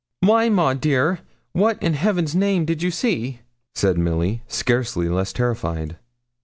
'Why, Maud dear, what, in Heaven's name, did you see?' said Milly, scarcely less terrified.